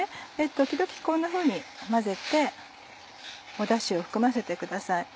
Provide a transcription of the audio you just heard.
時々こんなふうに混ぜてダシを含ませてください。